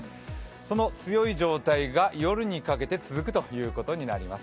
その強い状態が夜にかけて続くということになります。